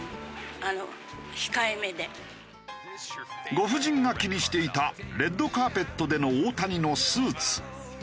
ご婦人が気にしていたレッドカーペットでの大谷のスーツ。